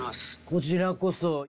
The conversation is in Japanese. こちらこそ。